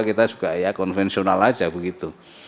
kita juga ya konvensional aja begitu